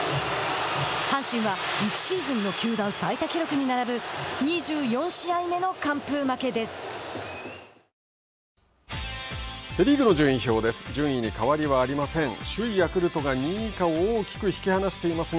阪神は１シーズンの球団最多記録に並ぶセ・リーグの順位表です。